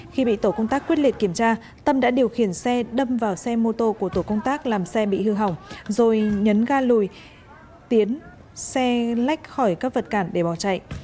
khi bị tổ công tác quyết liệt kiểm tra tâm đã điều khiển xe đâm vào xe mô tô của tổ công tác làm xe bị hư hỏng rồi nhấn ga lùi tiến xe lách khỏi các vật cản để bỏ chạy